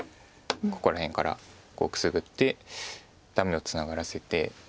ここら辺からくすぐってダメをツナがらせて。